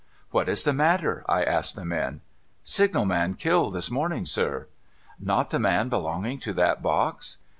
' What is the matter ?' I asked the men. ' Signal man killed this morning, sir.' ' Not the man belonging to that box